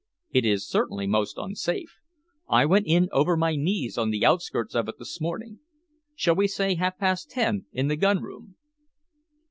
It is certainly most unsafe. I went in over my knees on the outskirts of it this morning. Shall we say half past ten in the gun room?"